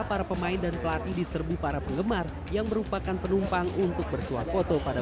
para pemain dan pelatih diserbu para penggemar yang merupakan penumpang untuk bersuap foto pada